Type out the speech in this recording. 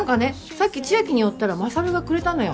さっきちあきに寄ったら勝がくれたのよ。